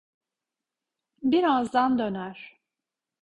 Birazdan döner.